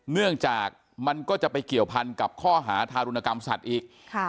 เนื่องจากมันก็จะไปเกี่ยวพันกับข้อหาทารุณกรรมสัตว์อีก